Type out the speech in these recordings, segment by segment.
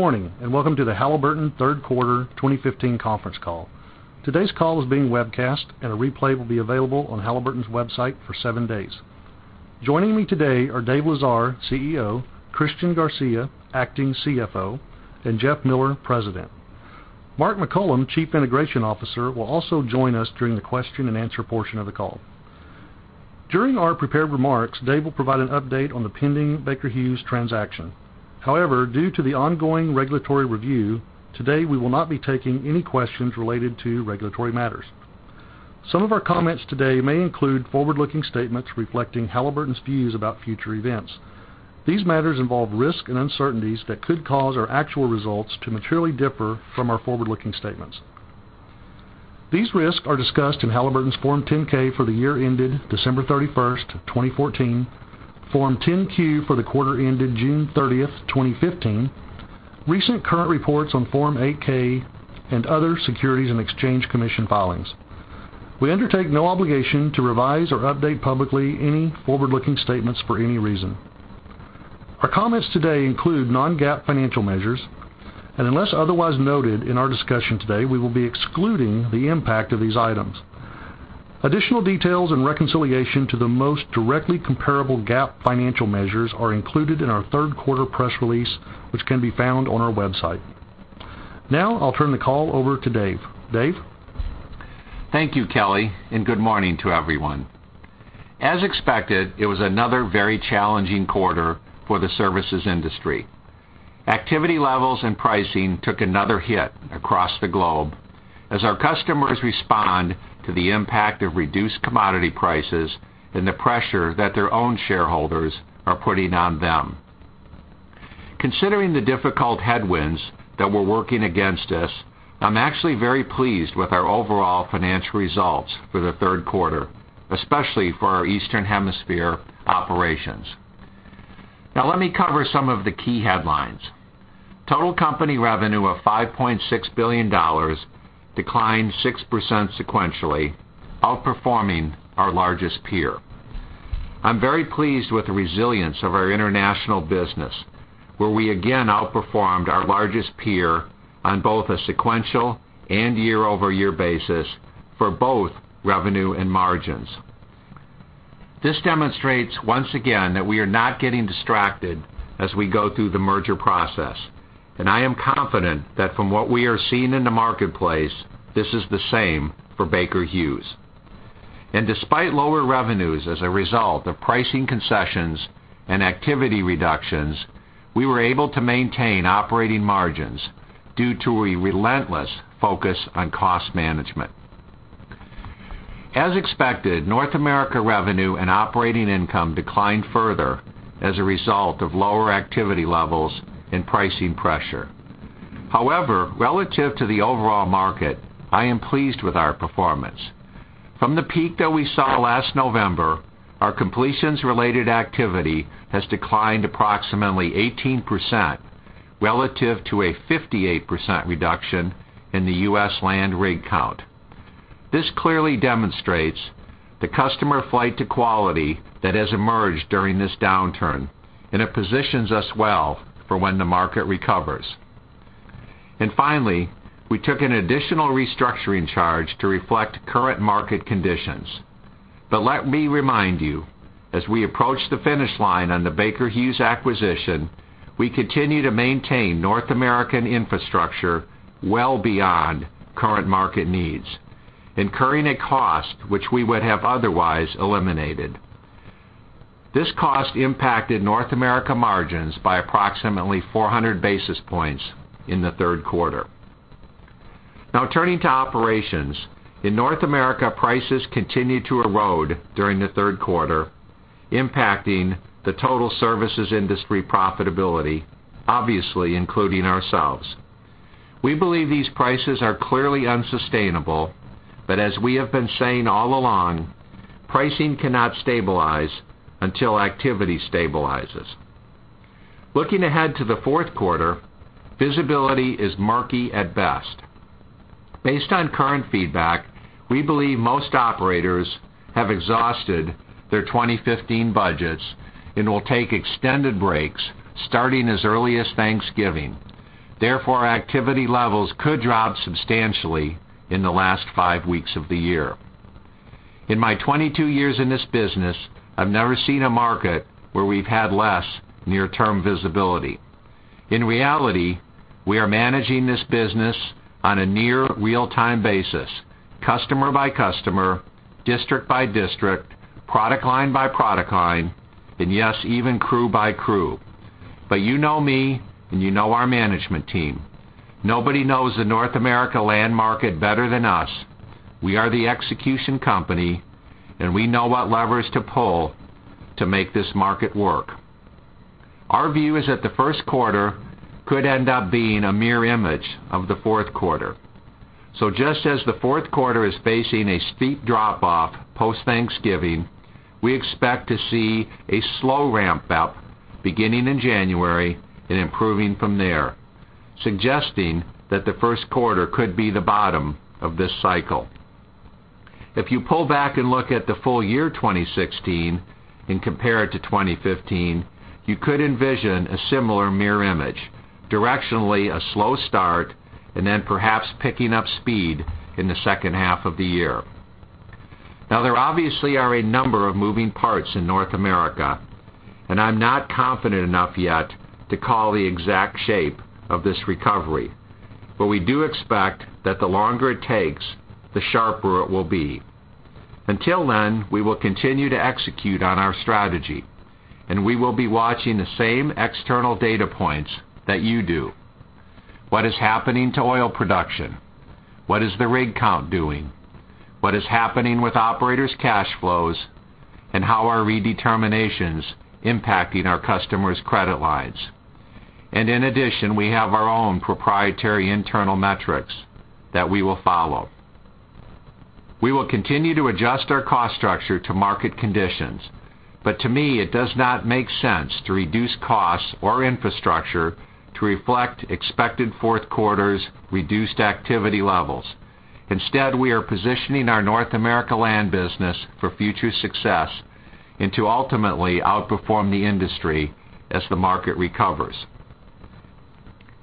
Good morning, welcome to the Halliburton third quarter 2015 conference call. Today's call is being webcast, and a replay will be available on Halliburton's website for seven days. Joining me today are Dave Lesar, CEO, Christian Garcia, acting CFO, and Jeff Miller, President. Mark McCollum, Chief Integration Officer, will also join us during the question and answer portion of the call. During our prepared remarks, Dave will provide an update on the pending Baker Hughes transaction. However, due to the ongoing regulatory review, today we will not be taking any questions related to regulatory matters. Some of our comments today may include forward-looking statements reflecting Halliburton's views about future events. These matters involve risks and uncertainties that could cause our actual results to materially differ from our forward-looking statements. These risks are discussed in Halliburton's Form 10-K for the year ended December 31st, 2014, Form 10-Q for the quarter ended June 30th, 2015, recent current reports on Form 8-K, and other Securities and Exchange Commission filings. We undertake no obligation to revise or update publicly any forward-looking statements for any reason. Our comments today include non-GAAP financial measures. Unless otherwise noted in our discussion today, we will be excluding the impact of these items. Additional details and reconciliation to the most directly comparable GAAP financial measures are included in our third quarter press release, which can be found on our website. Now, I'll turn the call over to Dave. Dave? Thank you, Kelly. Good morning to everyone. As expected, it was another very challenging quarter for the services industry. Activity levels and pricing took another hit across the globe as our customers respond to the impact of reduced commodity prices and the pressure that their own shareholders are putting on them. Considering the difficult headwinds that were working against us, I'm actually very pleased with our overall financial results for the third quarter, especially for our Eastern Hemisphere operations. Now let me cover some of the key headlines. Total company revenue of $5.6 billion declined 6% sequentially, outperforming our largest peer. I'm very pleased with the resilience of our international business, where we again outperformed our largest peer on both a sequential and year-over-year basis for both revenue and margins. This demonstrates once again that we are not getting distracted as we go through the merger process. I am confident that from what we are seeing in the marketplace, this is the same for Baker Hughes. Despite lower revenues as a result of pricing concessions and activity reductions, we were able to maintain operating margins due to a relentless focus on cost management. As expected, North America revenue and operating income declined further as a result of lower activity levels and pricing pressure. However, relative to the overall market, I am pleased with our performance. From the peak that we saw last November, our completions-related activity has declined approximately 18% relative to a 58% reduction in the U.S. land rig count. This clearly demonstrates the customer flight to quality that has emerged during this downturn. It positions us well for when the market recovers. Finally, we took an additional restructuring charge to reflect current market conditions. Let me remind you, as we approach the finish line on the Baker Hughes acquisition, we continue to maintain North American infrastructure well beyond current market needs, incurring a cost which we would have otherwise eliminated. This cost impacted North America margins by approximately 400 basis points in the third quarter. Turning to operations. In North America, prices continued to erode during the third quarter, impacting the total services industry profitability, obviously including ourselves. We believe these prices are clearly unsustainable, but as we have been saying all along, pricing cannot stabilize until activity stabilizes. Looking ahead to the fourth quarter, visibility is murky at best. Based on current feedback, we believe most operators have exhausted their 2015 budgets and will take extended breaks starting as early as Thanksgiving. Therefore, activity levels could drop substantially in the last five weeks of the year. In my 22 years in this business, I've never seen a market where we've had less near-term visibility. In reality, we are managing this business on a near real-time basis, customer by customer, district by district, product line by product line, and yes, even crew by crew. You know me and you know our management team. Nobody knows the North America land market better than us. We are the execution company, and we know what levers to pull to make this market work. Our view is that the first quarter could end up being a mirror image of the fourth quarter. Just as the fourth quarter is facing a steep drop-off post-Thanksgiving, we expect to see a slow ramp-up beginning in January and improving from there, suggesting that the first quarter could be the bottom of this cycle. If you pull back and look at the full year 2016 and compare it to 2015, you could envision a similar mirror image, directionally a slow start and then perhaps picking up speed in the second half of the year. There obviously are a number of moving parts in North America, and I'm not confident enough yet to call the exact shape of this recovery. We do expect that the longer it takes, the sharper it will be. Until then, we will continue to execute on our strategy, and we will be watching the same external data points that you do. What is happening to oil production? What is the rig count doing? What is happening with operators' cash flows? How are redeterminations impacting our customers' credit lines? In addition, we have our own proprietary internal metrics that we will follow. We will continue to adjust our cost structure to market conditions. To me, it does not make sense to reduce costs or infrastructure to reflect expected fourth quarter's reduced activity levels. Instead, we are positioning our North America land business for future success and to ultimately outperform the industry as the market recovers.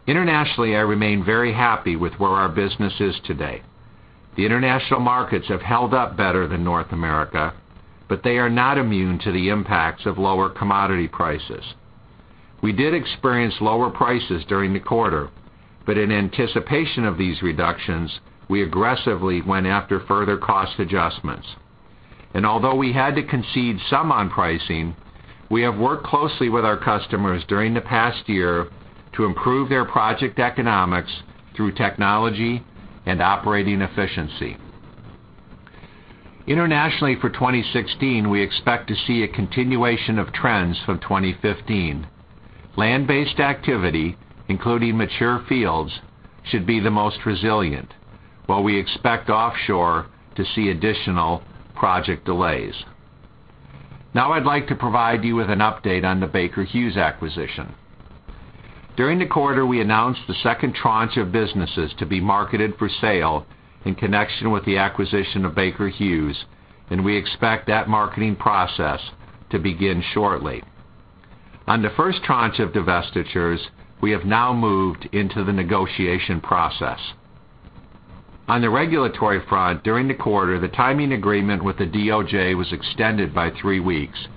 Internationally, I remain very happy with where our business is today. The international markets have held up better than North America, but they are not immune to the impacts of lower commodity prices. We did experience lower prices during the quarter, but in anticipation of these reductions, we aggressively went after further cost adjustments. Although we had to concede some on pricing, we have worked closely with our customers during the past year to improve their project economics through technology and operating efficiency. Internationally, for 2016, we expect to see a continuation of trends from 2015. Land-based activity, including mature fields, should be the most resilient, while we expect offshore to see additional project delays. Now I'd like to provide you with an update on the Baker Hughes acquisition. During the quarter, we announced the second tranche of businesses to be marketed for sale in connection with the acquisition of Baker Hughes, and we expect that marketing process to begin shortly. On the first tranche of divestitures, we have now moved into the negotiation process. On the regulatory front, during the quarter, the timing agreement with the DOJ was extended by 3 weeks,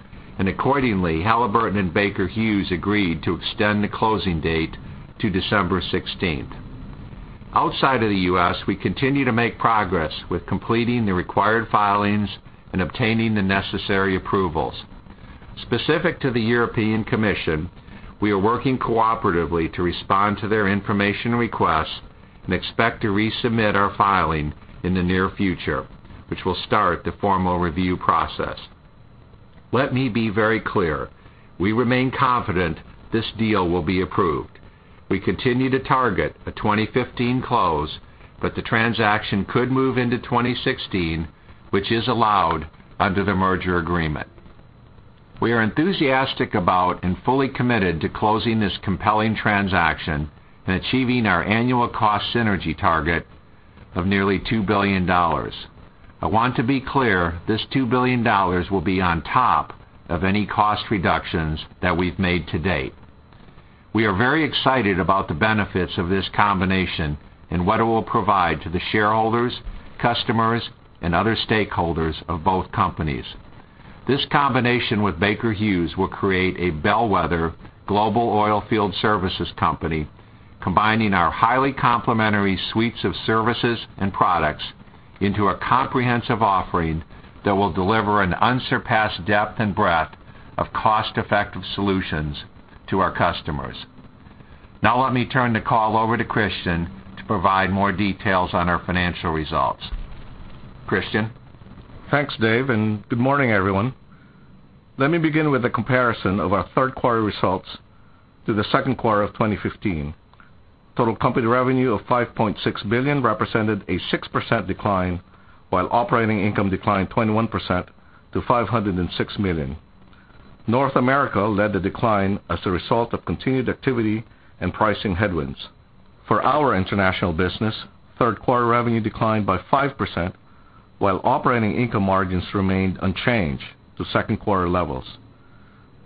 and accordingly, Halliburton and Baker Hughes agreed to extend the closing date to December 16th. Outside of the U.S., we continue to make progress with completing the required filings and obtaining the necessary approvals. Specific to the European Commission, we are working cooperatively to respond to their information requests and expect to resubmit our filing in the near future, which will start the formal review process. Let me be very clear. We remain confident this deal will be approved. We continue to target a 2015 close, but the transaction could move into 2016, which is allowed under the merger agreement. We are enthusiastic about and fully committed to closing this compelling transaction and achieving our annual cost synergy target of nearly $2 billion. I want to be clear, this $2 billion will be on top of any cost reductions that we've made to date. We are very excited about the benefits of this combination and what it will provide to the shareholders, customers, and other stakeholders of both companies. This combination with Baker Hughes will create a bellwether global oil field services company, combining our highly complementary suites of services and products into a comprehensive offering that will deliver an unsurpassed depth and breadth of cost-effective solutions to our customers. Now let me turn the call over to Christian to provide more details on our financial results. Christian? Thanks, Dave. Good morning, everyone. Let me begin with a comparison of our third quarter results to the second quarter of 2015. Total company revenue of $5.6 billion represented a 6% decline, while operating income declined 21% to $506 million. North America led the decline as a result of continued activity and pricing headwinds. For our international business, third quarter revenue declined by 5%, while operating income margins remained unchanged to second quarter levels.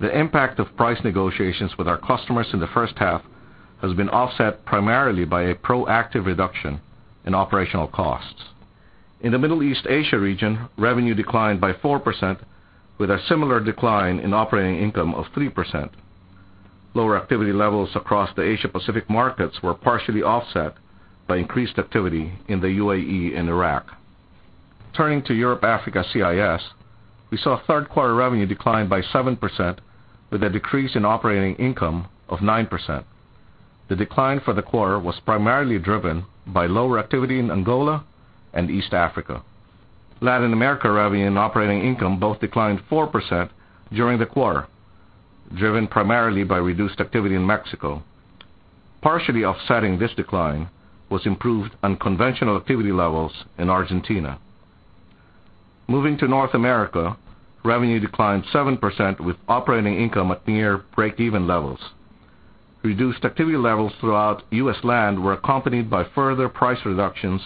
The impact of price negotiations with our customers in the first half has been offset primarily by a proactive reduction in operational costs. In the Middle East Asia region, revenue declined by 4%, with a similar decline in operating income of 3%. Lower activity levels across the Asia Pacific markets were partially offset by increased activity in the UAE and Iraq. Turning to Europe, Africa, CIS, we saw third quarter revenue decline by 7%, with a decrease in operating income of 9%. The decline for the quarter was primarily driven by lower activity in Angola and East Africa. Latin America revenue and operating income both declined 4% during the quarter, driven primarily by reduced activity in Mexico. Partially offsetting this decline was improved unconventional activity levels in Argentina. Moving to North America, revenue declined 7% with operating income at near breakeven levels. Reduced activity levels throughout U.S. land were accompanied by further price reductions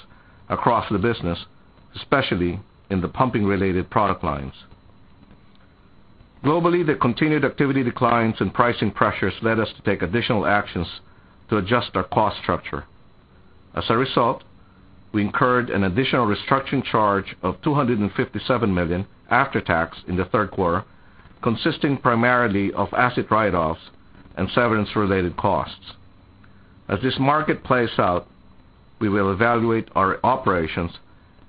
across the business, especially in the pumping related product lines. Globally, the continued activity declines and pricing pressures led us to take additional actions to adjust our cost structure. As a result, we incurred an additional restructuring charge of $257 million after tax in the third quarter, consisting primarily of asset write-offs and severance related costs. As this market plays out, we will evaluate our operations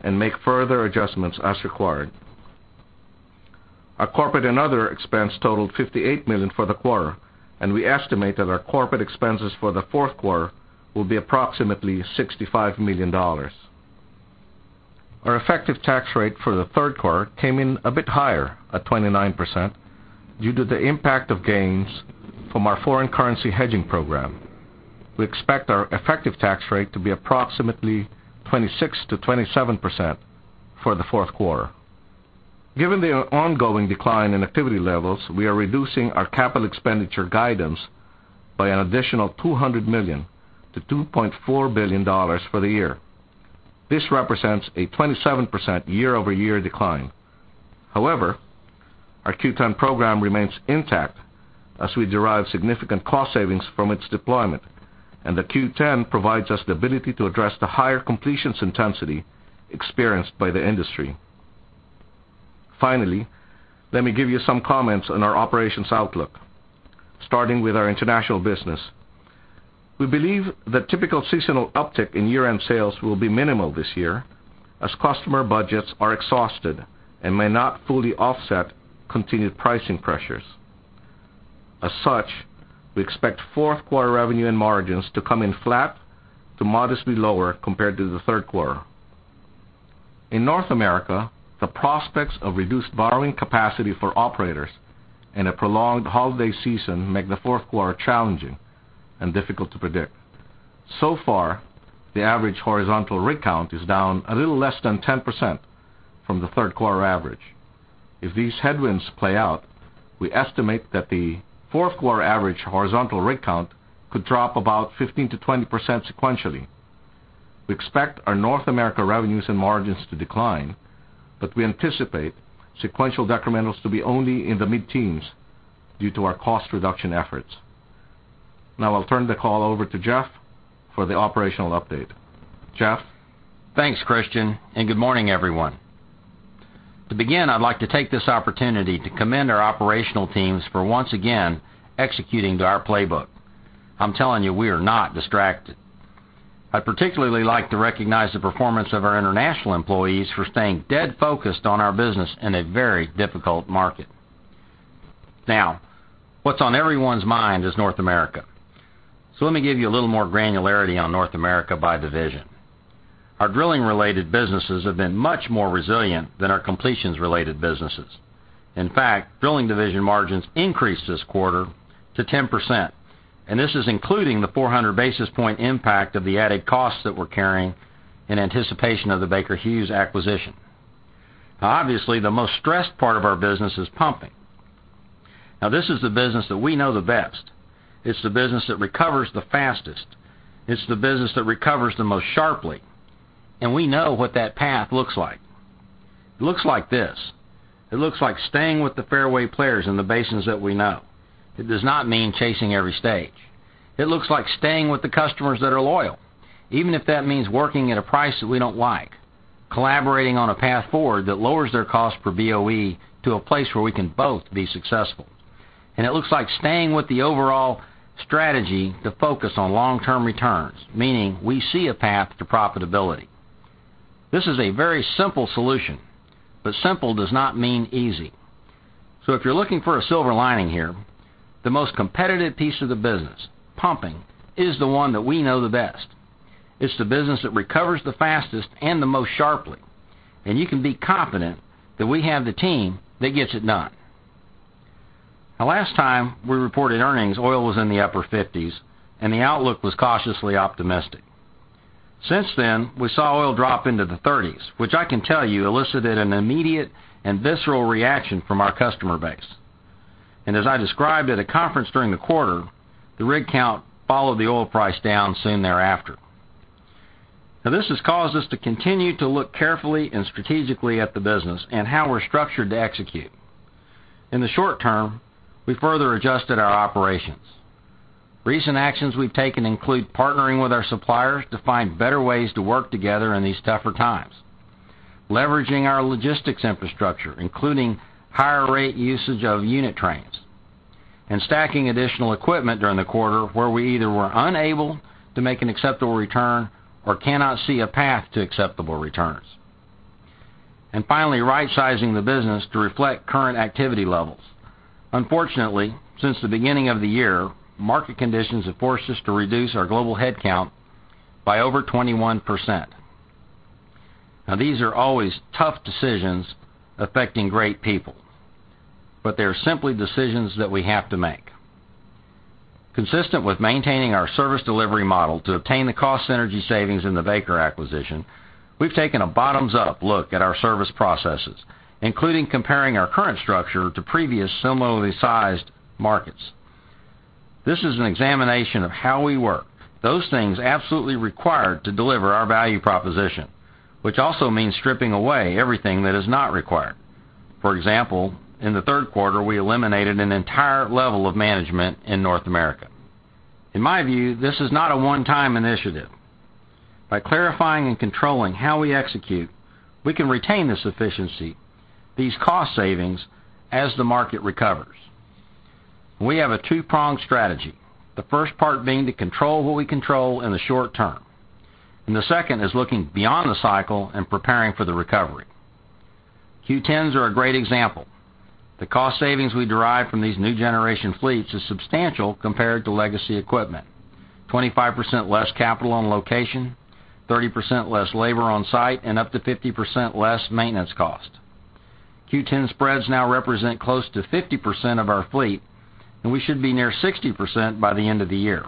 and make further adjustments as required. Our corporate and other expense totaled $58 million for the quarter, and we estimate that our corporate expenses for the fourth quarter will be approximately $65 million. Our effective tax rate for the third quarter came in a bit higher at 29% due to the impact of gains from our foreign currency hedging program. We expect our effective tax rate to be approximately 26%-27% for the fourth quarter. Given the ongoing decline in activity levels, we are reducing our capital expenditure guidance by an additional $200 million to $2.4 billion for the year. This represents a 27% year-over-year decline. However, our Q10 program remains intact as we derive significant cost savings from its deployment, and the Q10 provides us the ability to address the higher completions intensity experienced by the industry. Finally, let me give you some comments on our operations outlook, starting with our international business. We believe the typical seasonal uptick in year-end sales will be minimal this year as customer budgets are exhausted and may not fully offset continued pricing pressures. As such, we expect fourth quarter revenue and margins to come in flat to modestly lower compared to the third quarter. In North America, the prospects of reduced borrowing capacity for operators and a prolonged holiday season make the fourth quarter challenging and difficult to predict. The average horizontal rig count is down a little less than 10% from the third quarter average. If these headwinds play out, we estimate that the fourth quarter average horizontal rig count could drop about 15%-20% sequentially. We expect our North America revenues and margins to decline, but we anticipate sequential decrementals to be only in the mid-teens due to our cost reduction efforts. Now I'll turn the call over to Jeff for the operational update. Jeff? Thanks, Christian. Good morning, everyone. To begin, I'd like to take this opportunity to commend our operational teams for once again executing to our playbook. I'm telling you, we are not distracted. I'd particularly like to recognize the performance of our international employees for staying dead focused on our business in a very difficult market. What's on everyone's mind is North America. Let me give you a little more granularity on North America by division. Our drilling related businesses have been much more resilient than our completions related businesses. In fact, drilling division margins increased this quarter to 10%. This is including the 400 basis point impact of the added costs that we're carrying in anticipation of the Baker Hughes acquisition. Obviously, the most stressed part of our business is pumping. This is the business that we know the best. It's the business that recovers the fastest. It's the business that recovers the most sharply. We know what that path looks like. It looks like this. It looks like staying with the fairway players in the basins that we know. It does not mean chasing every stage. It looks like staying with the customers that are loyal, even if that means working at a price that we don't like, collaborating on a path forward that lowers their cost per BOE to a place where we can both be successful. It looks like staying with the overall strategy to focus on long-term returns, meaning we see a path to profitability. This is a very simple solution. Simple does not mean easy. If you're looking for a silver lining here, the most competitive piece of the business, pumping, is the one that we know the best. It's the business that recovers the fastest and the most sharply. You can be confident that we have the team that gets it done. Last time we reported earnings, oil was in the upper 50s. The outlook was cautiously optimistic. Since then, we saw oil drop into the 30s, which I can tell you elicited an immediate and visceral reaction from our customer base. As I described at a conference during the quarter, the rig count followed the oil price down soon thereafter. This has caused us to continue to look carefully and strategically at the business and how we're structured to execute. In the short term, we further adjusted our operations. Recent actions we've taken include partnering with our suppliers to find better ways to work together in these tougher times, leveraging our logistics infrastructure, including higher rate usage of unit trains, and stacking additional equipment during the quarter where we either were unable to make an acceptable return or cannot see a path to acceptable returns. Finally, right-sizing the business to reflect current activity levels. Unfortunately, since the beginning of the year, market conditions have forced us to reduce our global headcount by over 21%. These are always tough decisions affecting great people. They are simply decisions that we have to make. Consistent with maintaining our service delivery model to obtain the cost synergy savings in the Baker acquisition, we've taken a bottoms-up look at our service processes, including comparing our current structure to previous similarly sized markets. This is an examination of how we work. Those things absolutely required to deliver our value proposition, which also means stripping away everything that is not required. For example, in the third quarter, we eliminated an entire level of management in North America. In my view, this is not a one-time initiative. By clarifying and controlling how we execute, we can retain this efficiency, these cost savings as the market recovers. We have a two-pronged strategy, the first part being to control what we control in the short term, and the second is looking beyond the cycle and preparing for the recovery. Q10s are a great example. The cost savings we derive from these new generation fleets is substantial compared to legacy equipment, 25% less capital on location, 30% less labor on site, and up to 50% less maintenance cost. Q10 spreads now represent close to 50% of our fleet, and we should be near 60% by the end of the year.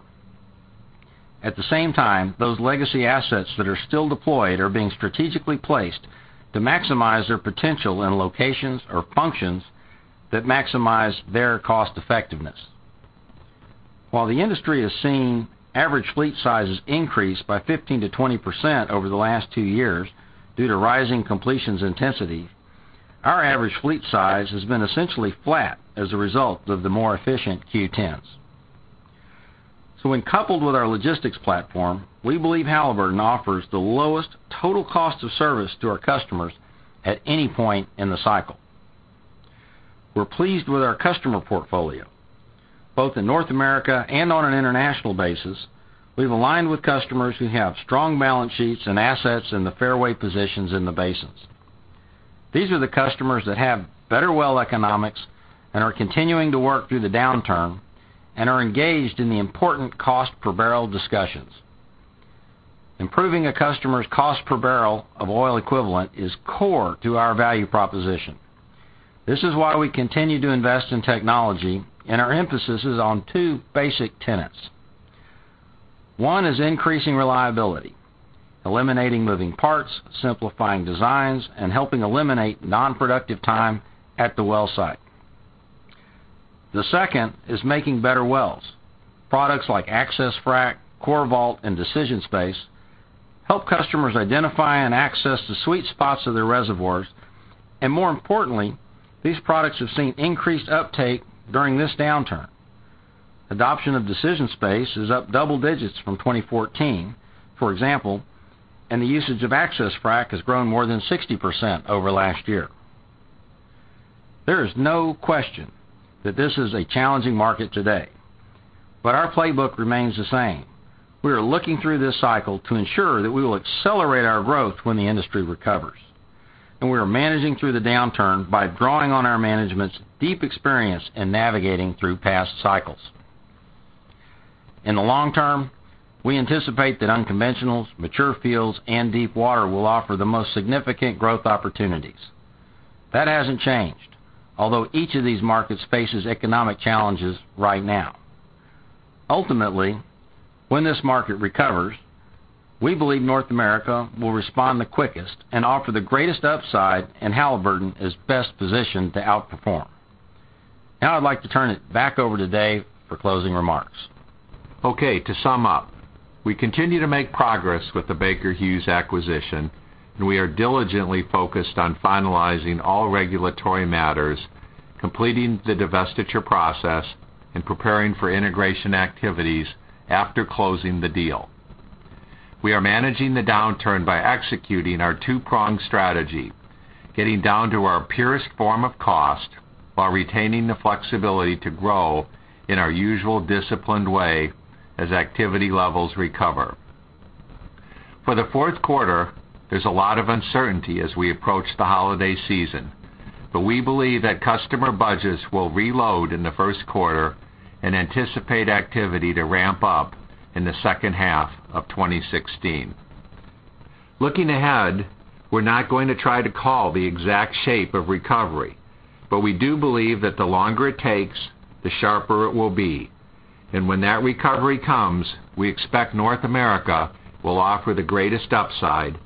At the same time, those legacy assets that are still deployed are being strategically placed to maximize their potential in locations or functions that maximize their cost effectiveness. While the industry has seen average fleet sizes increase by 15%-20% over the last two years due to rising completions intensity, our average fleet size has been essentially flat as a result of the more efficient Q10s. When coupled with our logistics platform, we believe Halliburton offers the lowest total cost of service to our customers at any point in the cycle. We're pleased with our customer portfolio. Both in North America and on an international basis, we've aligned with customers who have strong balance sheets and assets in the fairway positions in the basins. These are the customers that have better well economics and are continuing to work through the downturn and are engaged in the important cost per barrel discussions. Improving a customer's cost per barrel of oil equivalent is core to our value proposition. This is why we continue to invest in technology, and our emphasis is on two basic tenets. One is increasing reliability, eliminating moving parts, simplifying designs, and helping eliminate non-productive time at the well site. The second is making better wells. Products like AccessFrac, CoreVault, and DecisionSpace help customers identify and access the sweet spots of their reservoirs. More importantly, these products have seen increased uptake during this downturn. Adoption of DecisionSpace is up double digits from 2014, for example, and the usage of AccessFrac has grown more than 60% over last year. There is no question that this is a challenging market today, but our playbook remains the same. We are looking through this cycle to ensure that we will accelerate our growth when the industry recovers, and we are managing through the downturn by drawing on our management's deep experience in navigating through past cycles. In the long term, we anticipate that unconventionals, mature fields, and deep water will offer the most significant growth opportunities. That hasn't changed, although each of these markets faces economic challenges right now. Ultimately, when this market recovers, we believe North America will respond the quickest and offer the greatest upside, and Halliburton is best positioned to outperform. Now I'd like to turn it back over to Dave for closing remarks. Okay. To sum up, we continue to make progress with the Baker Hughes acquisition, and we are diligently focused on finalizing all regulatory matters, completing the divestiture process, and preparing for integration activities after closing the deal. We are managing the downturn by executing our two-pronged strategy, getting down to our purest form of cost while retaining the flexibility to grow in our usual disciplined way as activity levels recover. For the fourth quarter, there's a lot of uncertainty as we approach the holiday season, but we believe that customer budgets will reload in the first quarter and anticipate activity to ramp up in the second half of 2016. Looking ahead, we're not going to try to call the exact shape of recovery, but we do believe that the longer it takes, the sharper it will be. When that recovery comes, we expect North America will offer the greatest upside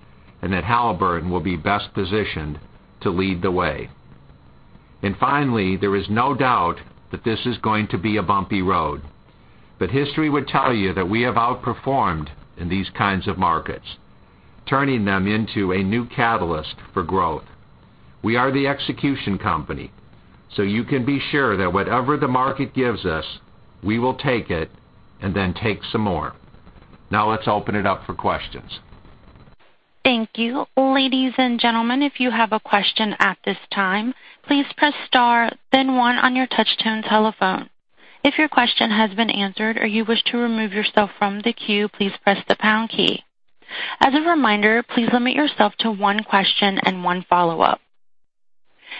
and that Halliburton will be best positioned to lead the way. Finally, there is no doubt that this is going to be a bumpy road. History would tell you that we have outperformed in these kinds of markets, turning them into a new catalyst for growth. We are the execution company, so you can be sure that whatever the market gives us, we will take it and then take some more. Now let's open it up for questions. Thank you. Ladies and gentlemen, if you have a question at this time, please press star then one on your touchtone telephone. If your question has been answered or you wish to remove yourself from the queue, please press the pound key. As a reminder, please limit yourself to one question and one follow-up.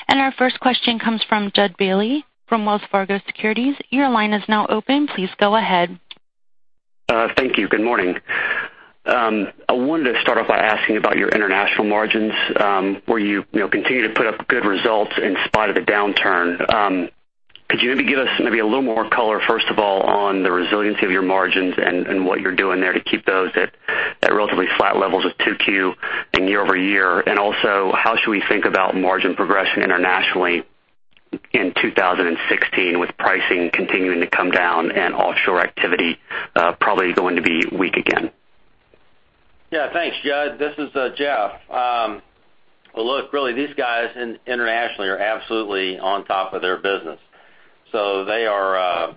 Our first question comes from Judson Bailey from Wells Fargo Securities. Your line is now open. Please go ahead. Thank you. Good morning. I wanted to start off by asking about your international margins, where you continue to put up good results in spite of the downturn. Could you maybe give us maybe a little more color, first of all, on the resiliency of your margins and what you're doing there to keep those at levels of 2Q in year-over-year? Also, how should we think about margin progressing internationally in 2016 with pricing continuing to come down and offshore activity probably going to be weak again? Yeah, thanks, Judd. This is Jeff. Well, look, really, these guys internationally are absolutely on top of their business. They are,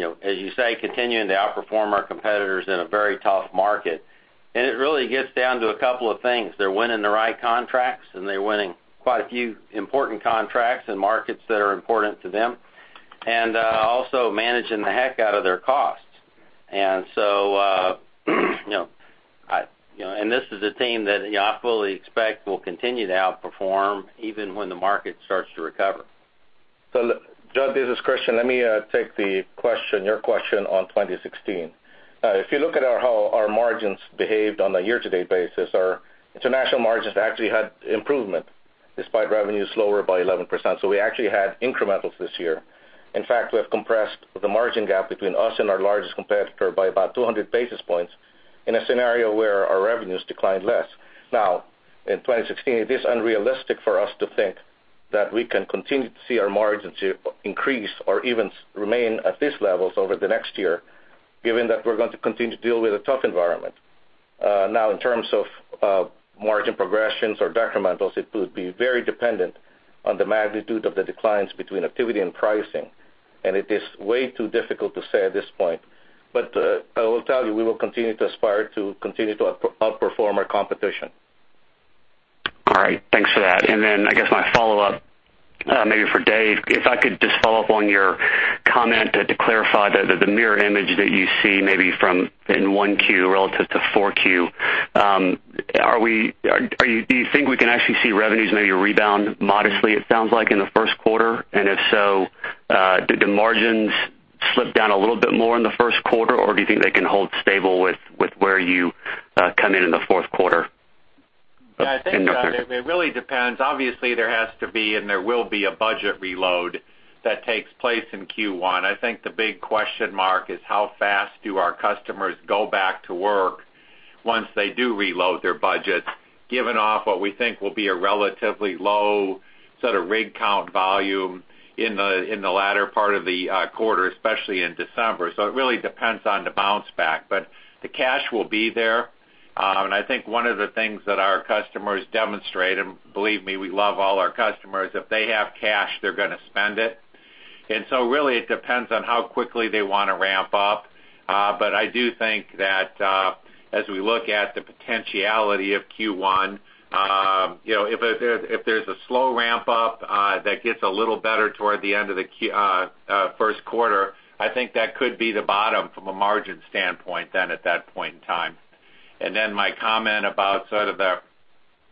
as you say, continuing to outperform our competitors in a very tough market. It really gets down to a couple of things. They're winning the right contracts, and they're winning quite a few important contracts in markets that are important to them. Also managing the heck out of their costs. This is a team that I fully expect will continue to outperform even when the market starts to recover. Judd, this is Christian. Let me take your question on 2016. If you look at how our margins behaved on a year-to-date basis, our international margins actually had improvement despite revenues slower by 11%. We actually had incrementals this year. In fact, we have compressed the margin gap between us and our largest competitor by about 200 basis points in a scenario where our revenues declined less. In 2016, it is unrealistic for us to think that we can continue to see our margins increase or even remain at these levels over the next year, given that we're going to continue to deal with a tough environment. In terms of margin progressions or decrementals, it would be very dependent on the magnitude of the declines between activity and pricing. It is way too difficult to say at this point. I will tell you, we will continue to aspire to continue to outperform our competition. All right. Thanks for that. Then I guess my follow-up, maybe for Dave, if I could just follow up on your comment to clarify the mirror image that you see maybe in one Q relative to four Q. Do you think we can actually see revenues maybe rebound modestly, it sounds like, in the first quarter? If so, do margins slip down a little bit more in the first quarter, or do you think they can hold stable with where you come in in the fourth quarter? Yeah, I think, Judd, it really depends. Obviously, there has to be and there will be a budget reload that takes place in Q1. I think the big question mark is how fast do our customers go back to work once they do reload their budgets, given off what we think will be a relatively low sort of rig count volume in the latter part of the quarter, especially in December. It really depends on the bounce back. The cash will be there. I think one of the things that our customers demonstrate, and believe me, we love all our customers, if they have cash, they're going to spend it. Really it depends on how quickly they want to ramp up. I do think that as we look at the potentiality of Q1, if there's a slow ramp up that gets a little better toward the end of the first quarter, I think that could be the bottom from a margin standpoint then at that point in time. Then my comment about sort of the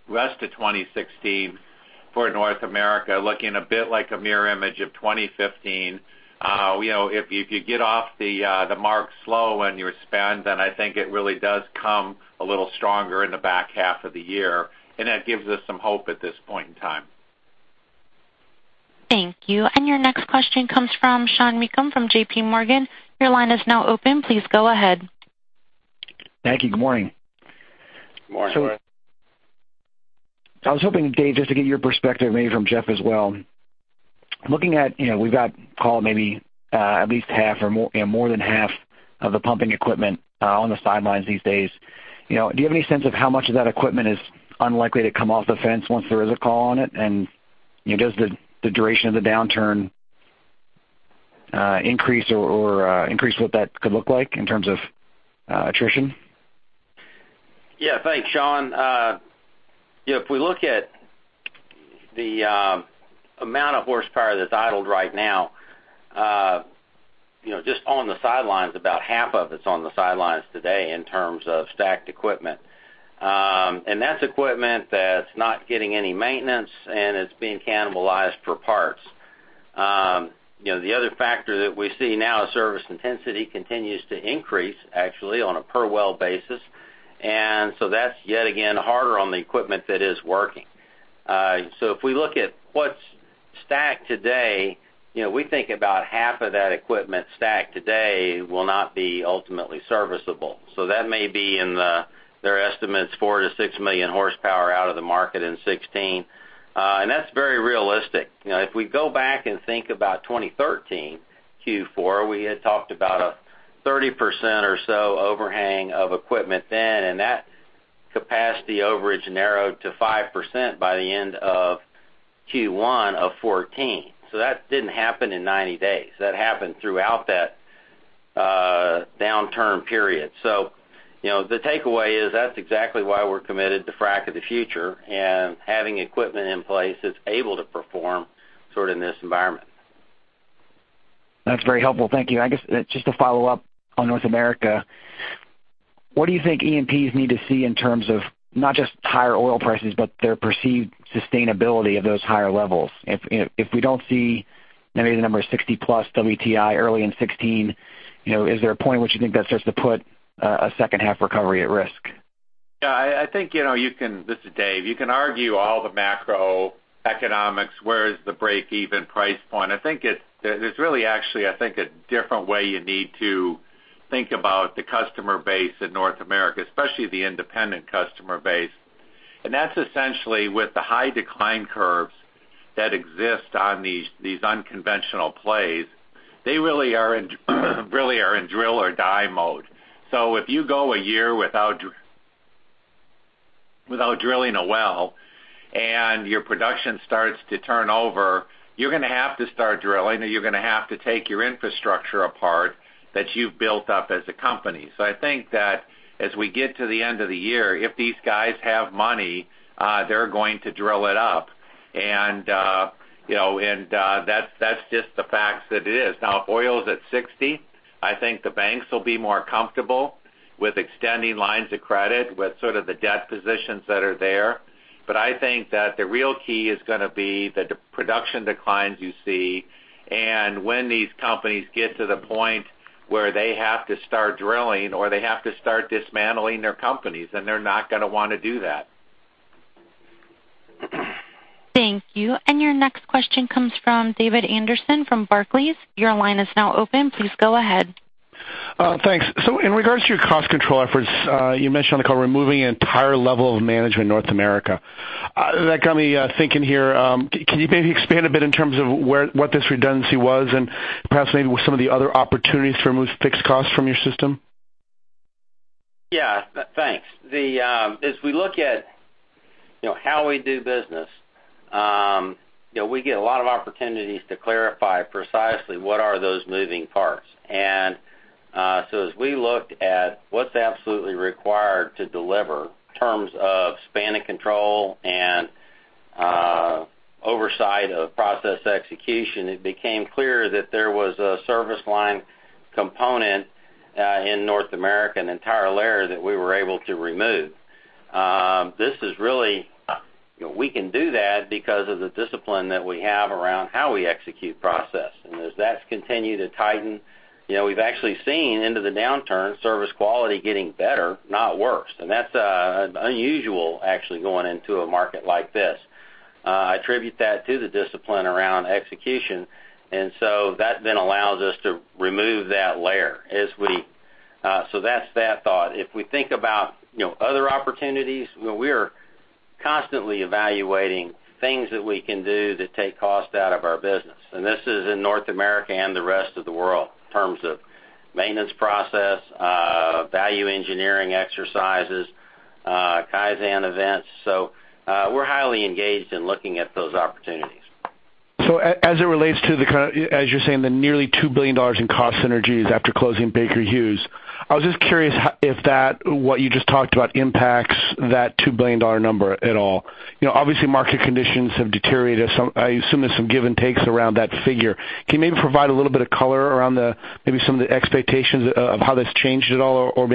rest of 2016 for North America looking a bit like a mirror image of 2015. If you could get off the mark slow when you spend, I think it really does come a little stronger in the back half of the year, and that gives us some hope at this point in time. Thank you. Your next question comes from Sean Meakim from JPMorgan. Your line is now open. Please go ahead. Thank you. Good morning. Good morning. I was hoping, Dave, just to get your perspective, maybe from Jeff as well. Looking at, we've got Paul, maybe at least half or more than half of the pumping equipment on the sidelines these days. Do you have any sense of how much of that equipment is unlikely to come off the fence once there is a call on it? Does the duration of the downturn increase what that could look like in terms of attrition? Yeah. Thanks, Sean. If we look at the amount of horsepower that's idled right now, just on the sidelines, about half of it's on the sidelines today in terms of stacked equipment. That's equipment that's not getting any maintenance, and it's being cannibalized for parts. The other factor that we see now is service intensity continues to increase, actually, on a per well basis. That's yet again harder on the equipment that is working. If we look at what's stacked today, we think about half of that equipment stacked today will not be ultimately serviceable. That may be in their estimates 4 to 6 million horsepower out of the market in 2016. That's very realistic. If we go back and think about 2013 Q4, we had talked about a 30% or so overhang of equipment then, that capacity overage narrowed to 5% by the end of Q1 of 2014. That didn't happen in 90 days. That happened throughout that downturn period. The takeaway is that's exactly why we're committed to Frac of the Future and having equipment in place that's able to perform sort of in this environment. That's very helpful. Thank you. I guess just to follow up on North America, what do you think E&Ps need to see in terms of not just higher oil prices, but their perceived sustainability of those higher levels? If we don't see maybe the number is 60 plus WTI early in 2016, is there a point in which you think that starts to put a second half recovery at risk? Yeah, I think this is Dave, you can argue all the macroeconomics. Where is the break-even price point? I think there's really actually, I think, a different way you need to think about the customer base in North America, especially the independent customer base. That's essentially with the high decline curves that exist on these unconventional plays. They really are in drill or die mode. If you go a year without drilling a well and your production starts to turn over, you're going to have to start drilling, or you're going to have to take your infrastructure apart that you've built up as a company. I think that as we get to the end of the year, if these guys have money, they're going to drill it up. That's just the facts that it is. Now, if oil's at 60, I think the banks will be more comfortable with extending lines of credit with sort of the debt positions that are there. I think that the real key is going to be the production declines you see, and when these companies get to the point where they have to start drilling, or they have to start dismantling their companies, and they're not going to want to do that. Thank you. Your next question comes from David Anderson from Barclays. Your line is now open. Please go ahead. Thanks. In regards to your cost control efforts, you mentioned on the call removing an entire level of management in North America. That got me thinking here. Can you maybe expand a bit in terms of what this redundancy was and perhaps maybe what some of the other opportunities to remove fixed costs from your system? Yeah, thanks. As we look at how we do business, we get a lot of opportunities to clarify precisely what are those moving parts. As we looked at what's absolutely required to deliver in terms of span of control and oversight of process execution, it became clear that there was a service line component in North America, an entire layer that we were able to remove. We can do that because of the discipline that we have around how we execute process. As that's continued to tighten, we've actually seen into the downturn service quality getting better, not worse. That's unusual actually going into a market like this. I attribute that to the discipline around execution, and so that then allows us to remove that layer. That's that thought. If we think about other opportunities, we're constantly evaluating things that we can do to take cost out of our business. This is in North America and the rest of the world in terms of maintenance process, value engineering exercises, Kaizen events. We're highly engaged in looking at those opportunities. As you're saying, the nearly $2 billion in cost synergies after closing Baker Hughes, I was just curious if what you just talked about impacts that $2 billion number at all. Obviously, market conditions have deteriorated. I assume there's some give and takes around that figure. Can you maybe provide a little bit of color around maybe some of the expectations of how that's changed at all? Or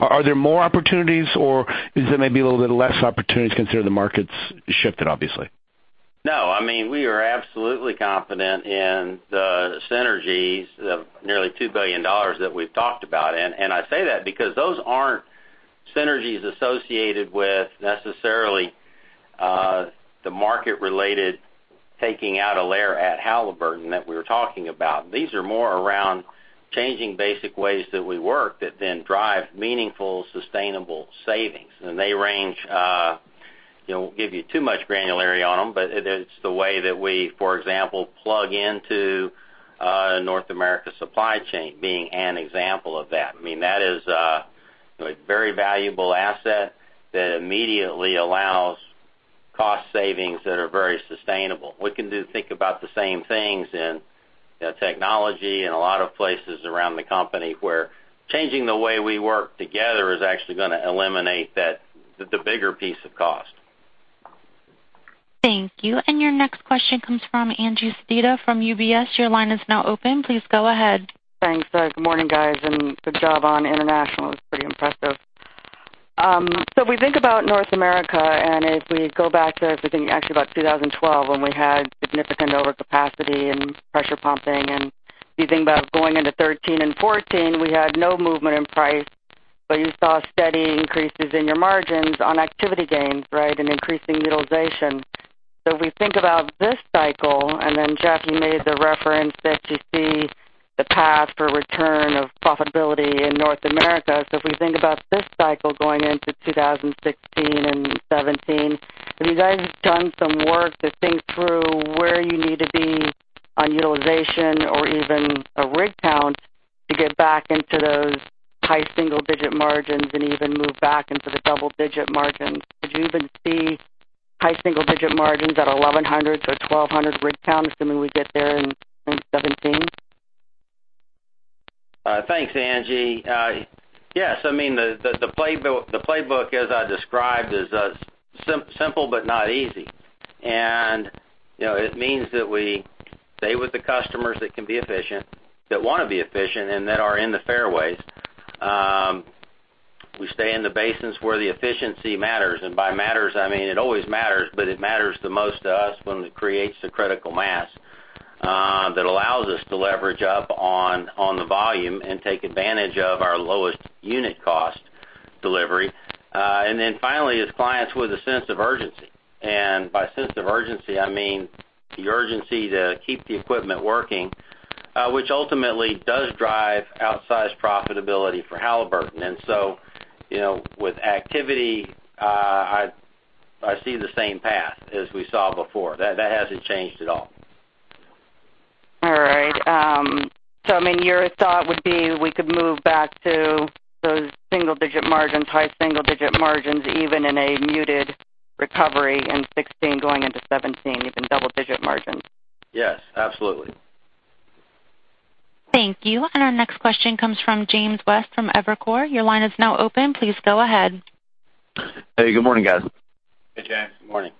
are there more opportunities, or is there maybe a little bit less opportunities considering the market's shifted, obviously? No. We are absolutely confident in the synergies of nearly $2 billion that we've talked about. I say that because those aren't synergies associated with necessarily the market related taking out a layer at Halliburton that we were talking about. These are more around changing basic ways that we work that then drive meaningful, sustainable savings. They range, won't give you too much granularity on them, but it's the way that we, for example, plug into North America supply chain being an example of that. That is a very valuable asset that immediately allows cost savings that are very sustainable. We can think about the same things in technology and a lot of places around the company where changing the way we work together is actually going to eliminate the bigger piece of cost. Thank you. Your next question comes from Angeline Sedita from UBS. Your line is now open. Please go ahead. Thanks. Good morning, guys, good job on international. It was pretty impressive. We think about North America, if we go back to, if we think actually about 2012 when we had significant overcapacity and pressure pumping. If you think about going into 2013 and 2014, we had no movement in price, but you saw steady increases in your margins on activity gains, right? Increasing utilization. If we think about this cycle, then Jeff, you made the reference that you see the path for return of profitability in North America. If we think about this cycle going into 2016 and 2017, have you guys done some work to think through where you need to be on utilization or even a rig count to get back into those high single-digit margins and even move back into the double-digit margins? Could you even see high single-digit margins at 1,100 or 1,200 rig count, assuming we get there in 2017? Thanks, Angie. Yes, the playbook as I described is simple but not easy. It means that we stay with the customers that can be efficient, that want to be efficient, and that are in the fairways. We stay in the basins where the efficiency matters, and by matters, I mean it always matters, but it matters the most to us when it creates the critical mass that allows us to leverage up on the volume and take advantage of our lowest unit cost delivery. Finally, is clients with a sense of urgency. By sense of urgency, I mean the urgency to keep the equipment working which ultimately does drive outsized profitability for Halliburton. With activity, I see the same path as we saw before. That hasn't changed at all. All right. Your thought would be we could move back to those single-digit margins, high single-digit margins, even in a muted recovery in 2016 going into 2017, even double-digit margins? Yes, absolutely. Thank you. Our next question comes from James West from Evercore. Your line is now open. Please go ahead. Hey, good morning, guys. Hey, James. Good morning.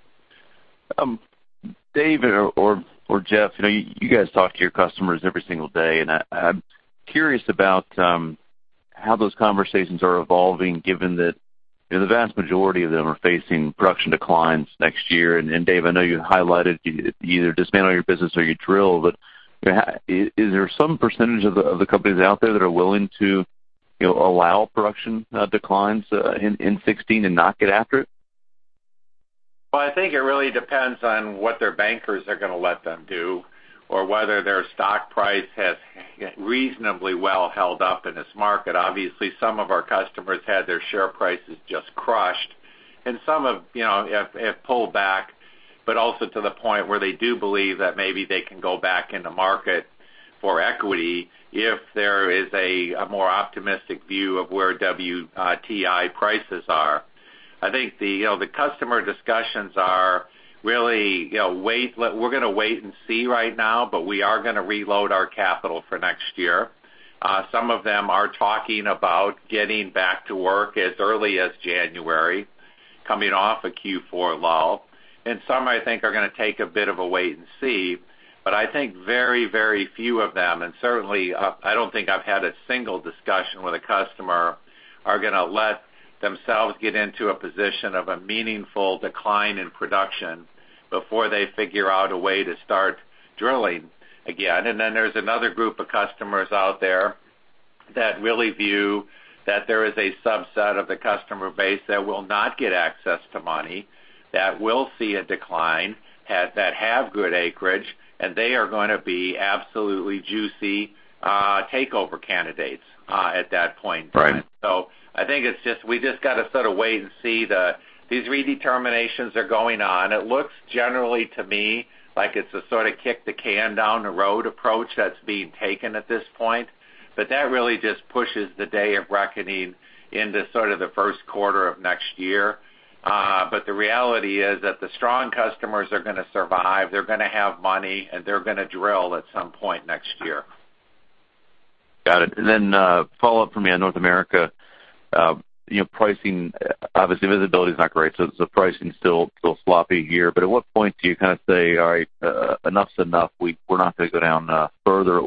Dave or Jeff, you guys talk to your customers every single day. I'm curious about how those conversations are evolving, given that the vast majority of them are facing production declines next year. Dave, I know you highlighted you either dismantle your business or you drill, but is there some percentage of the companies out there that are willing to allow production declines in 2016 and not get after it? Well, I think it really depends on what their bankers are going to let them do, or whether their stock price has reasonably well held up in this market. Obviously, some of our customers had their share prices just crushed, and some have pulled back, but also to the point where they do believe that maybe they can go back in the market for equity if there is a more optimistic view of where WTI prices are. I think the customer discussions are really, we're going to wait and see right now, but we are going to reload our capital for next year. Some of them are talking about getting back to work as early as January, coming off a Q4 lull. Some, I think, are going to take a bit of a wait and see. I think very few of them, and certainly, I don't think I've had a single discussion with a customer, are going to let themselves get into a position of a meaningful decline in production before they figure out a way to start drilling again. There's another group of customers out there that really view that there is a subset of the customer base that will not get access to money, that will see a decline, that have good acreage, and they are going to be absolutely juicy takeover candidates at that point in time. Right. I think we just got to sort of wait and see. These redeterminations are going on. It looks generally, to me, like it's a sort of kick-the-can-down-the-road approach that's being taken at this point. That really just pushes the day of reckoning into the first quarter of next year. The reality is that the strong customers are going to survive, they're going to have money, and they're going to drill at some point next year. Got it. Then a follow-up for me on North America. Pricing, obviously, visibility is not great, so the pricing's still sloppy here. At what point do you kind of say, "All right enough's enough. We're not going to go down further."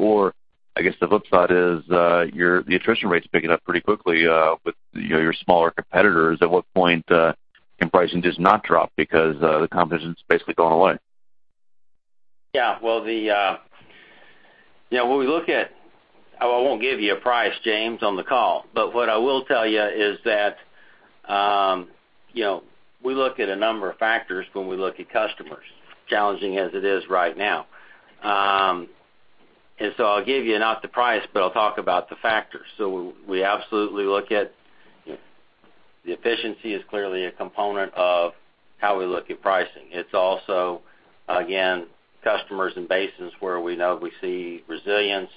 I guess the flip side is the attrition rate's picking up pretty quickly with your smaller competitors. At what point can pricing just not drop because the competition's basically gone away? Yeah. I won't give you a price, James, on the call. What I will tell you is that we look at a number of factors when we look at customers, challenging as it is right now. I'll give you not the price, but I'll talk about the factors. We absolutely look at the efficiency is clearly a component of how we look at pricing. It's also, again, customers and basins where we know we see resilience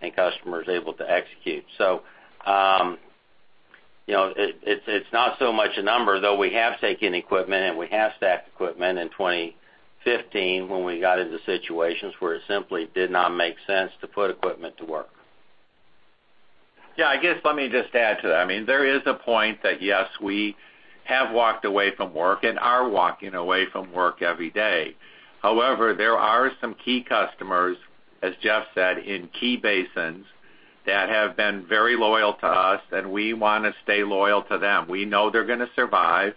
and customers able to execute. It's not so much a number, though we have taken equipment, and we have stacked equipment in 2015 when we got into situations where it simply did not make sense to put equipment to work. Yeah, I guess, let me just add to that. There is a point that, yes, we have walked away from work and are walking away from work every day. However, there are some key customers, as Jeff said, in key basins that have been very loyal to us, and we want to stay loyal to them. We know they're going to survive.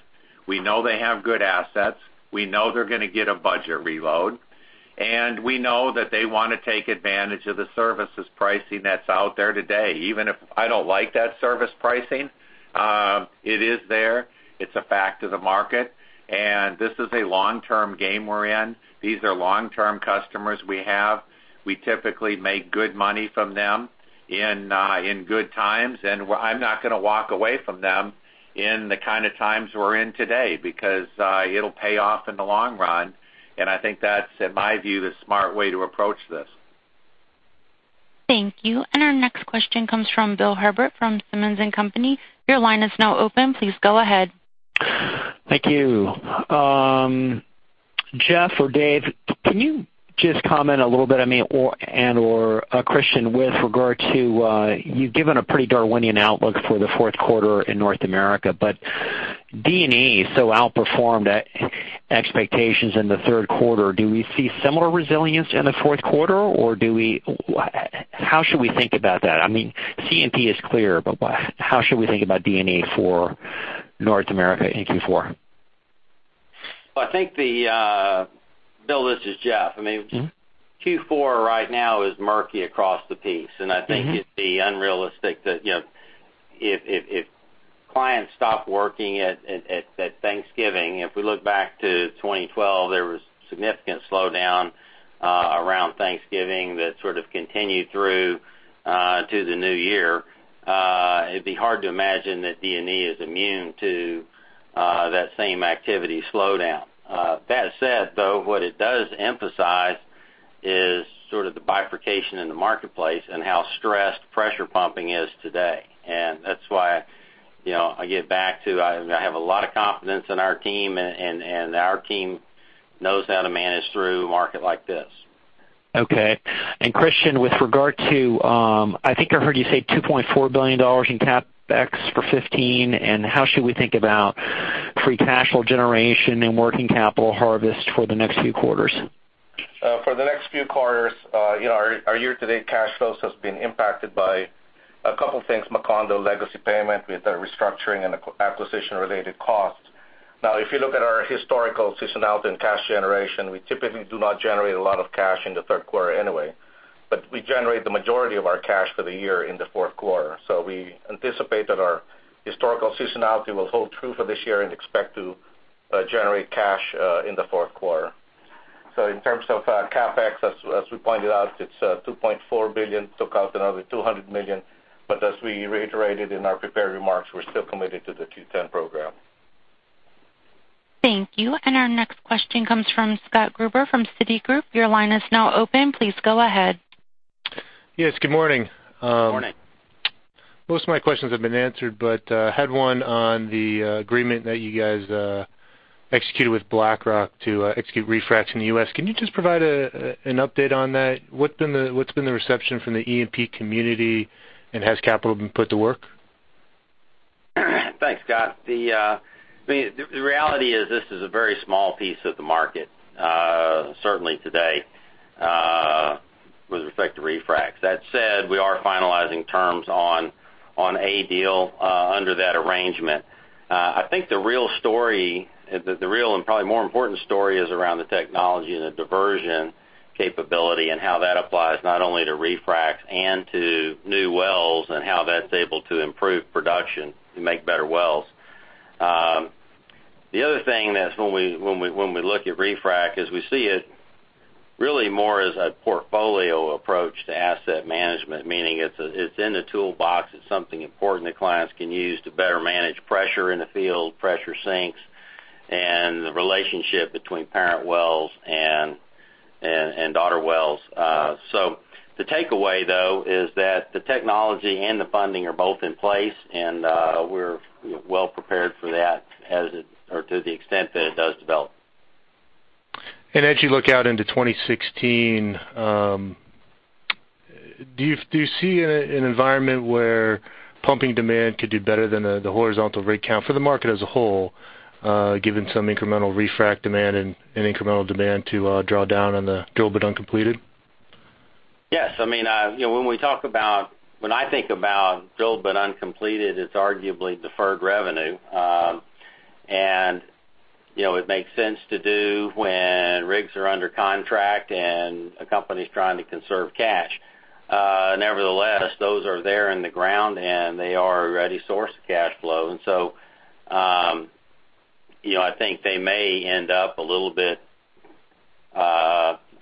We know they have good assets. We know they're going to get a budget reload. We know that they want to take advantage of the services pricing that's out there today. Even if I don't like that service pricing, it is there. It's a fact of the market, this is a long-term game we're in. These are long-term customers we have. We typically make good money from them in good times, and I'm not going to walk away from them in the kind of times we're in today because it'll pay off in the long run. I think that's, in my view, the smart way to approach this. Thank you. Our next question comes from Bill Herbert from Simmons & Company. Your line is now open. Please go ahead. Thank you. Jeff or Dave, can you just comment a little bit, and/or Christian, with regard to you've given a pretty Darwinian outlook for the fourth quarter in North America, but D&E so outperformed expectations in the third quarter. Do we see similar resilience in the fourth quarter, or how should we think about that? I mean, C&P is clear, but how should we think about D&E for North America in Q4? Bill, this is Jeff. Q4 right now is murky across the piece. I think it'd be unrealistic that if Clients stop working at Thanksgiving. If we look back to 2012, there was significant slowdown around Thanksgiving that sort of continued through to the new year. It'd be hard to imagine that D&E is immune to that same activity slowdown. That said, though, what it does emphasize is sort of the bifurcation in the marketplace and how stressed pressure pumping is today. That's why I get back to, I have a lot of confidence in our team, and our team knows how to manage through a market like this. Okay. Christian, with regard to I think I heard you say $2.4 billion in CapEx for 2015, and how should we think about free cash flow generation and working capital harvest for the next few quarters? For the next few quarters, our year-to-date cash flows has been impacted by a couple things, Macondo legacy payment with the restructuring and acquisition-related costs. If you look at our historical seasonality and cash generation, we typically do not generate a lot of cash in the third quarter anyway. We generate the majority of our cash for the year in the fourth quarter. We anticipate that our historical seasonality will hold true for this year and expect to generate cash in the fourth quarter. In terms of CapEx, as we pointed out, it's $2.4 billion, took out another $200 million, as we reiterated in our prepared remarks, we're still committed to the Q10 program. Thank you. Our next question comes from Scott Gruber from Citigroup. Your line is now open. Please go ahead. Yes, good morning. Good morning. Most of my questions have been answered, but I had one on the agreement that you guys executed with BlackRock to execute refracs in the U.S. Can you just provide an update on that? What's been the reception from the E&P community, and has capital been put to work? Thanks, Scott. The reality is this is a very small piece of the market, certainly today, with respect to refracs. That said, we are finalizing terms on a deal under that arrangement. I think the real and probably more important story is around the technology and the diversion capability and how that applies not only to refracs and to new wells and how that's able to improve production and make better wells. The other thing that's when we look at refrac is we see it really more as a portfolio approach to asset management, meaning it's in the toolbox. It's something important that clients can use to better manage pressure in the field, pressure sinks, and the relationship between parent wells and daughter wells. The takeaway, though, is that the technology and the funding are both in place, and we're well prepared for that to the extent that it does develop. As you look out into 2016, do you see an environment where pumping demand could do better than the horizontal rig count for the market as a whole, given some incremental refrac demand and incremental demand to draw down on the drilled but uncompleted? Yes. When I think about drilled but uncompleted, it's arguably deferred revenue. It makes sense to do when rigs are under contract and a company's trying to conserve cash. Nevertheless, those are there in the ground, and they are a ready source of cash flow. I think they may end up a little bit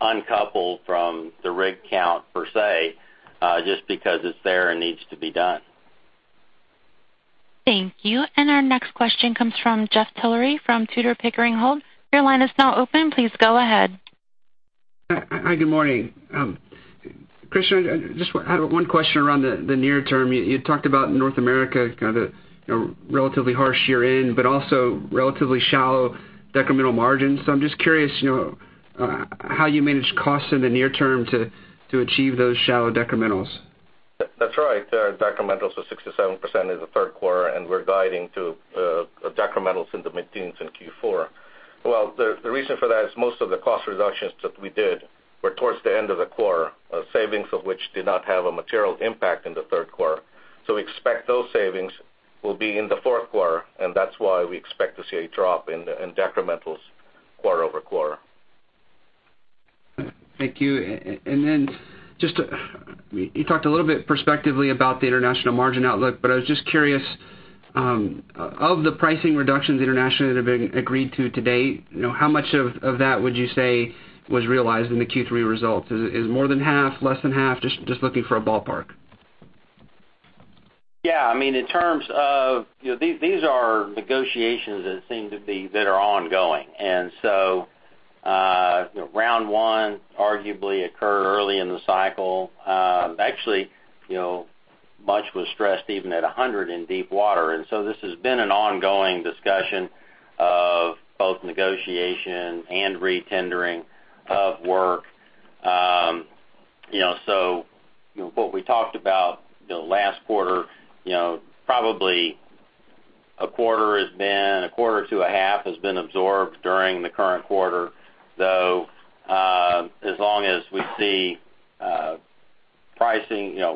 uncoupled from the rig count per se, just because it's there and needs to be done. Thank you. Our next question comes from Jeff Tillery from Tudor, Pickering, Holt. Your line is now open. Please go ahead. Hi, good morning. Christian, just had one question around the near term. You talked about North America kind of relatively harsh year-in, but also relatively shallow decremental margins. I'm just curious, how you manage costs in the near term to achieve those shallow decrementals. That's right. Our decrementals was 67% in the third quarter. We're guiding to decrementals in the mid-teens in Q4. The reason for that is most of the cost reductions that we did were towards the end of the quarter, savings of which did not have a material impact in the third quarter. We expect those savings will be in the fourth quarter, and that's why we expect to see a drop in decrementals quarter-over-quarter. Thank you. You talked a little bit perspectively about the international margin outlook, but I was just curious, of the pricing reductions internationally that have been agreed to to date, how much of that would you say was realized in the Q3 results? Is it more than half? Less than half? Just looking for a ballpark. Yeah. These are negotiations that are ongoing. Round 1 arguably occurred early in the cycle. Actually, much was stressed even at 100 in deep water. This has been an ongoing discussion of both negotiation and re-tendering of work. What we talked about last quarter, probably a quarter to a half has been absorbed during the current quarter, though as long as we see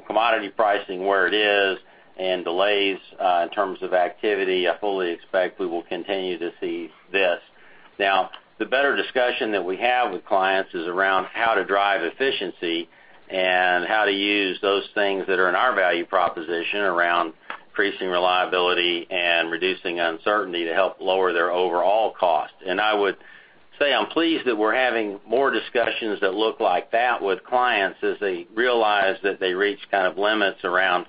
commodity pricing where it is and delays in terms of activity, I fully expect we will continue to see this. Now, the better discussion that we have with clients is around how to drive efficiency and how to use those things that are in our value proposition around increasing reliability and reducing uncertainty to help lower their overall cost. I would say I'm pleased that we're having more discussions that look like that with clients as they realize that they reach kind of limits around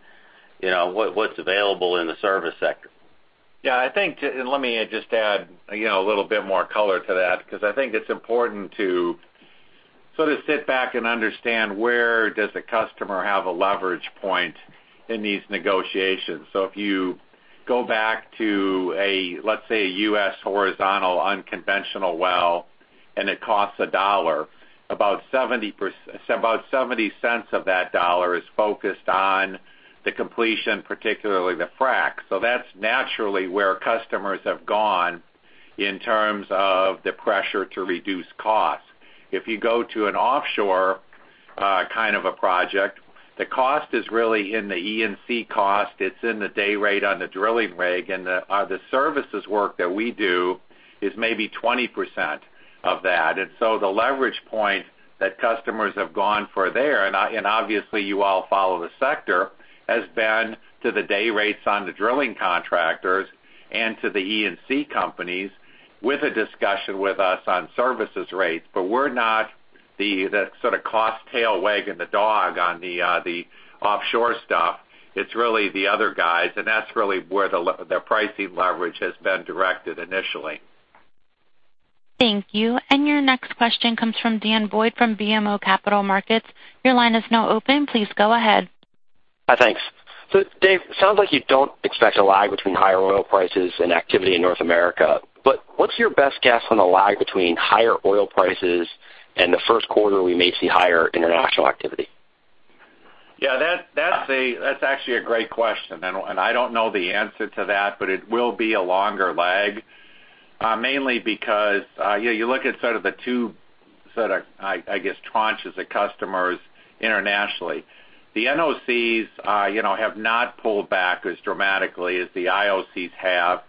what's available in the service sector. Yeah, let me just add a little bit more color to that, because I think it's important to sort of sit back and understand where does a customer have a leverage point in these negotiations. If you go back to, let's say, a U.S. horizontal unconventional well, it costs $1, about $0.70 of that dollar is focused on the completion, particularly the frac. That's naturally where customers have gone in terms of the pressure to reduce cost. If you go to an offshore kind of a project, the cost is really in the E&C cost. It's in the day rate on the drilling rig, and the services work that we do is maybe 20% of that. The leverage point that customers have gone for there, and obviously you all follow the sector, has been to the day rates on the drilling contractors and to the E&C companies with a discussion with us on services rates. We're not the sort of cost tail wagging the dog on the offshore stuff. It's really the other guys, and that's really where the pricing leverage has been directed initially. Thank you. Your next question comes from Dan Boyd from BMO Capital Markets. Your line is now open. Please go ahead. Thanks. Dave, sounds like you don't expect a lag between higher oil prices and activity in North America, what's your best guess on the lag between higher oil prices and the first quarter we may see higher international activity? That's actually a great question, I don't know the answer to that, it will be a longer lag. Mainly because you look at sort of the two tranches of customers internationally. The NOCs have not pulled back as dramatically as the IOCs have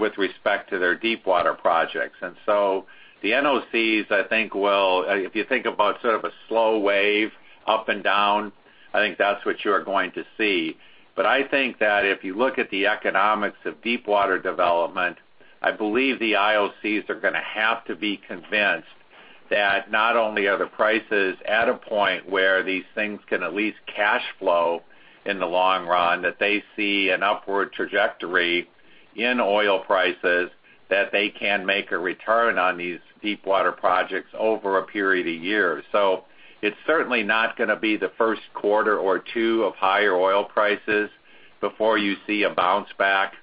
with respect to their deepwater projects. The NOCs, if you think about sort of a slow wave up and down, I think that's what you're going to see. I think that if you look at the economics of deepwater development, I believe the IOCs are going to have to be convinced that not only are the prices at a point where these things can at least cash flow in the long run, that they see an upward trajectory in oil prices, that they can make a return on these deepwater projects over a period of years. It's certainly not going to be the first quarter or two of higher oil prices before you see a bounce back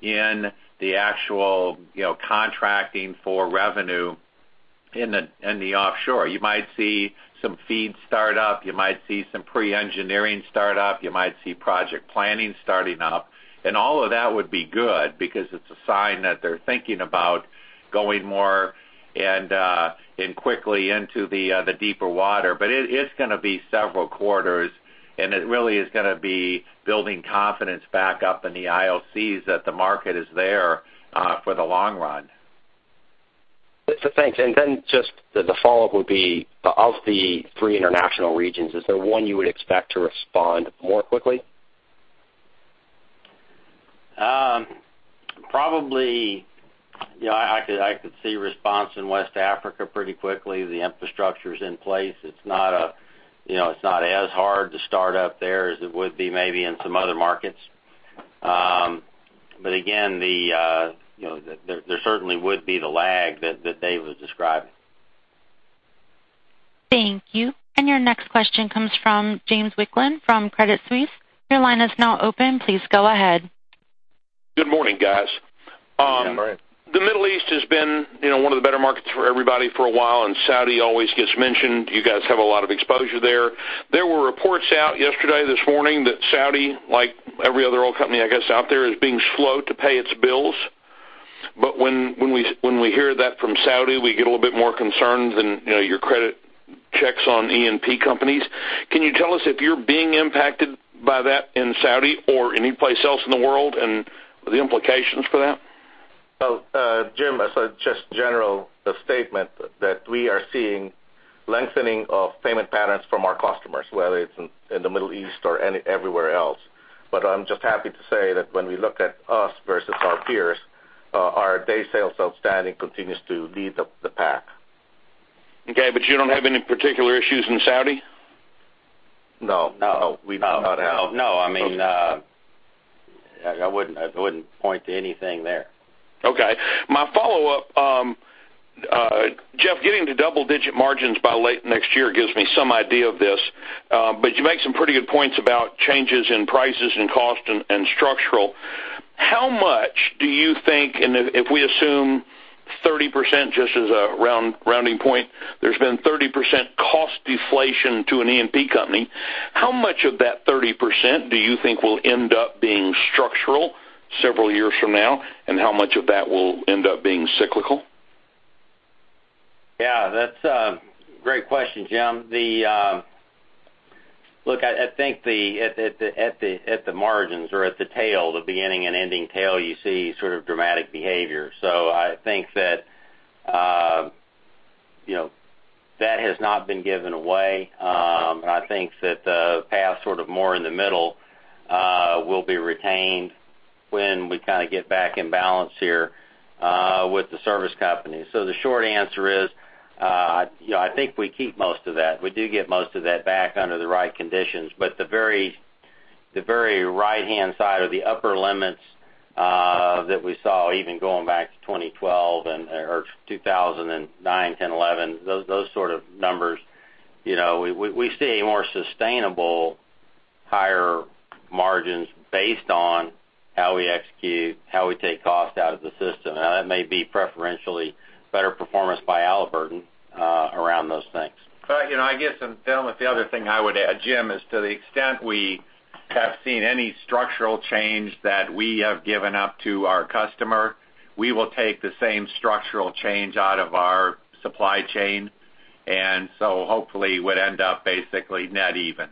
in the actual contracting for revenue in the offshore. You might see some FEED start up. You might see some pre-engineering start up. You might see project planning starting up, and all of that would be good because it's a sign that they're thinking about going more and quickly into the deeper water. It's going to be several quarters, and it really is going to be building confidence back up in the IOCs that the market is there for the long run. Thanks. Just the follow-up would be, of the three international regions, is there one you would expect to respond more quickly? Probably, I could see response in West Africa pretty quickly. The infrastructure's in place. It's not as hard to start up there as it would be maybe in some other markets. Again, there certainly would be the lag that Dave was describing. Thank you. Your next question comes from James Wiklendt from Credit Suisse. Your line is now open. Please go ahead. Good morning, guys. Good morning. The Middle East has been one of the better markets for everybody for a while, and Saudi always gets mentioned. You guys have a lot of exposure there. There were reports out yesterday, this morning, that Saudi, like every other oil company, I guess, out there, is being slow to pay its bills. When we hear that from Saudi, we get a little bit more concerned than your credit checks on E&P companies. Can you tell us if you're being impacted by that in Saudi or any place else in the world, and the implications for that? Jim, as just general statement that we are seeing lengthening of payment patterns from our customers, whether it's in the Middle East or everywhere else. I'm just happy to say that when we look at us versus our peers, our day sales outstanding continues to lead the pack. Okay. You don't have any particular issues in Saudi? No. No. We do not have. No. I wouldn't point to anything there. Okay. My follow-up. Jeff, getting to double digit margins by late next year gives me some idea of this. You make some pretty good points about changes in prices and cost and structural. If we assume 30% just as a rounding point, there's been 30% cost deflation to an E&P company, how much of that 30% do you think will end up being structural several years from now, and how much of that will end up being cyclical? That's a great question, James Wicklund. Look, I think at the margins or at the tail, the beginning and ending tail, you see sort of dramatic behavior. I think that has not been given away. I think that the path sort of more in the middle will be retained when we kind of get back in balance here with the service company. The short answer is, I think we keep most of that. We do get most of that back under the right conditions. The very right-hand side or the upper limits that we saw even going back to 2012 or 2009, 2010, 2011, those sort of numbers, we see more sustainable higher margins based on how we execute, how we take cost out of the system. That may be preferentially better performance by Halliburton around those things. I guess, Christian Garcia, if the other thing I would add, James Wicklund, is to the extent we have seen any structural change that we have given up to our customer, we will take the same structural change out of our supply chain, hopefully would end up basically net even.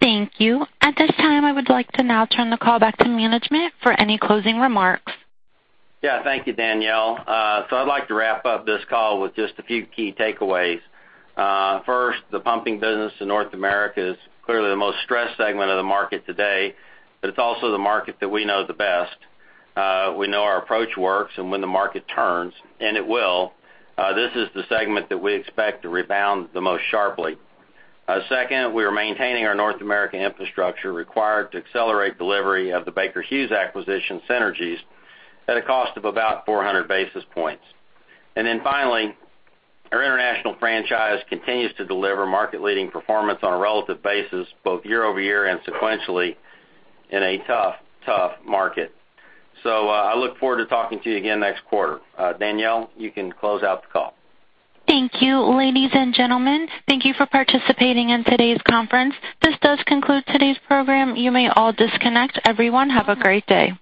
Thank you. At this time, I would like to now turn the call back to management for any closing remarks. Thank you, Danielle. I'd like to wrap up this call with just a few key takeaways. First, the pumping business in North America is clearly the most stressed segment of the market today, it's also the market that we know the best. We know our approach works when the market turns, and it will, this is the segment that we expect to rebound the most sharply. Second, we are maintaining our North American infrastructure required to accelerate delivery of the Baker Hughes acquisition synergies at a cost of about 400 basis points. Finally, our international franchise continues to deliver market-leading performance on a relative basis, both year-over-year and sequentially in a tough market. I look forward to talking to you again next quarter. Danielle, you can close out the call. Thank you. Ladies and gentlemen, thank you for participating in today's conference. This does conclude today's program. You may all disconnect. Everyone, have a great day.